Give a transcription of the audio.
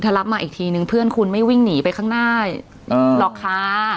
ถ้ารับมาอีกทีนึงเพื่อนคุณไม่วิ่งหนีไปข้างหน้าหรอกค่ะ